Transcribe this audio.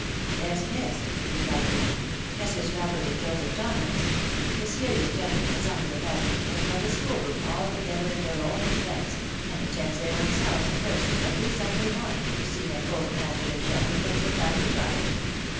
" Yes, miss," replied the man, " Messrs. Robert and Joseph Tomlins, the serious gentlemen as owns the factory, has built a school room altogether at their own expense, and attends their ownselves in person every Sunday morning to see that both master and children puts the time to profit.